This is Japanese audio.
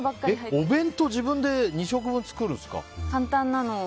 お弁当、自分で２食分作るんですか。